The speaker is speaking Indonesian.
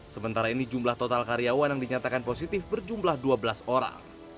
sementara ini jumlah total karyawan yang dinyatakan positif berjumlah dua belas orang